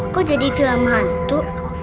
kok jadi film hantu